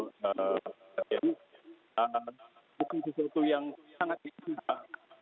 jadi itu sesuatu yang sangat diinginkan